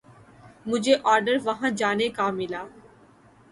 مجھے آرڈر وہاں جانے کا ملا۔